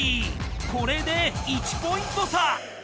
これで１ポイント差。